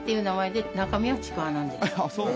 で